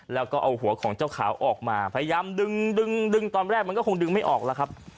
แล้วก็เอาหัวของเจ้าขาวออกมาพยายามดึงดึงตอนแรกมันก็คงดึงไม่ออกแล้วครับ